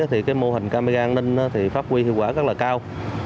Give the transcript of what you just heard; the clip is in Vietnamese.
thì mô hình camera an ninh pháp quy hiệu quả rất là cao